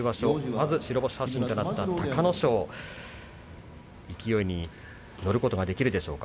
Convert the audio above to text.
まず白星発進となった隆の勝勢いに乗ることができるでしょうか。